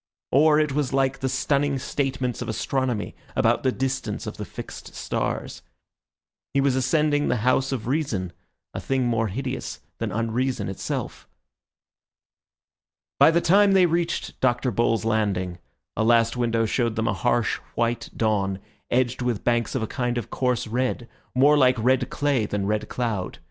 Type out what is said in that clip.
Or it was like the stunning statements of astronomy about the distance of the fixed stars. He was ascending the house of reason, a thing more hideous than unreason itself. By the time they reached Dr. Bull's landing, a last window showed them a harsh, white dawn edged with banks of a kind of coarse red, more like red clay than red cloud.